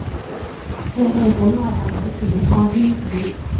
你哋本來就喺同一個圈子